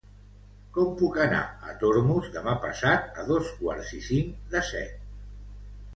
Com puc anar a Tormos demà passat a dos quarts i cinc de set?